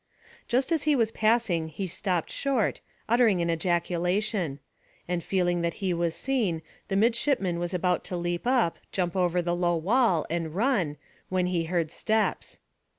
Just as he was passing he stopped short, uttering an ejaculation; and feeling that he was seen, the midshipman was about to leap up, jump over the low wall, and run, when he heard steps.